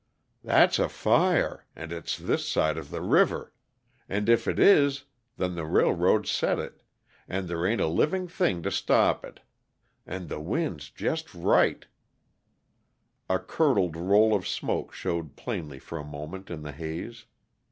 "That's a fire, and it's this side of the river. And if it is, then the railroad set it, and there ain't a livin' thing to stop it. An' the wind's jest right " A curdled roll of smoke showed plainly for a moment in the haze.